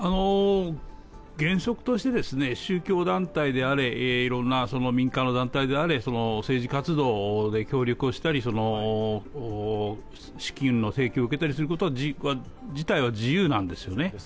原則として、宗教団体であれいろんな民間の団体であれ政治活動で協力をしたり資金の提供を受けたりすること自体は自由なんですね。